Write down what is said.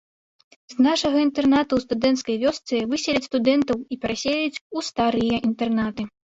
З нашага інтэрната ў студэнцкай вёсцы высяляць студэнтаў і пераселяць у старыя інтэрнаты.